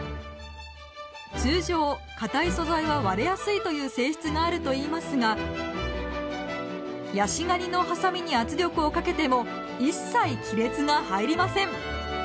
通常硬い素材は割れやすいという性質があるといいますがヤシガニのハサミに圧力をかけても一切亀裂が入りません。